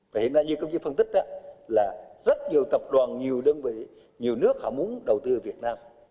và hiện nay như công chí phân tích đó là rất nhiều tập đoàn nhiều đơn vị nhiều nước họ muốn đầu tư ở việt nam